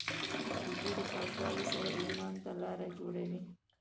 اوبه د پاکوالي سره ایمان ته لاره جوړوي.